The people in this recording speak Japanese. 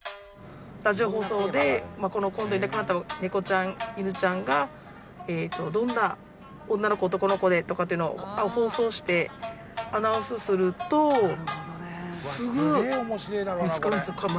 ラジオ放送でいなくなった猫ちゃん犬ちゃんがどんな女の子男の子でとかっていうのを放送してアナウンスするとすぐ見付かるんですよ。